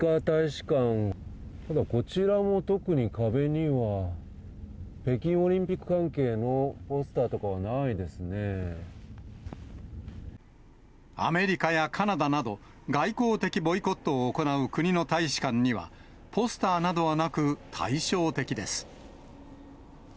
ただ、こちらの特に壁には、北京オリンピック関係のポスターとかはないアメリカやカナダなど、外交的ボイコットを行う国の大使館には、ポスターなどはなく、対照的です。